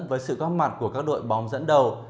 với sự góp mặt của các đội bóng dẫn đầu